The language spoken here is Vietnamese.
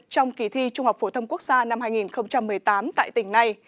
trong kỳ thi trung học phổ thông quốc gia năm hai nghìn một mươi tám tại tỉnh này